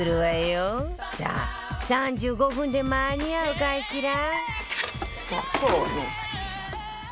さあ３５分で間に合うかしら？